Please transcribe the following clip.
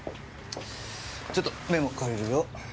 ちょっとメモ借りるよ。